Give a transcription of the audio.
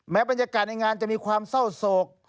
บรรยากาศในงานจะมีความเศร้าโศก